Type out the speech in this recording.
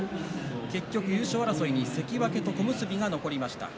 結局、優勝争いに関脇と小結が残りました。